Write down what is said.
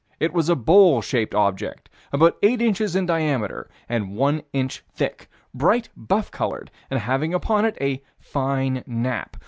It was a bowl shaped object, about 8 inches in diameter, and one inch thick. Bright buff colored, and having upon it a "fine nap."